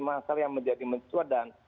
masalah yang menjadi mencuat dan